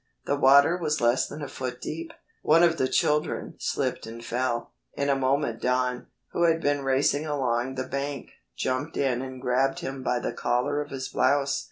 The water was less than a foot deep. One of the children slipped and fell. In a moment Don, who had been racing along the bank, jumped in and grabbed him by the collar of his blouse.